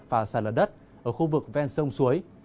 và sạt lở đất ở khu vực ven sông suối